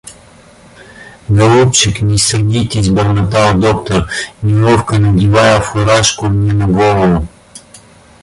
— Голубчик, не сердитесь, — бормотал доктор, неловко надевая фуражку мне на голову.